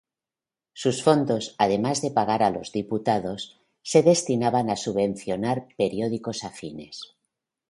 Sus fondos, además de pagar a los diputados, se destinaban a subvencionar periódicos afines.